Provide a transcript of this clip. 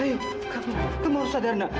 ayo kamu harus hadap nah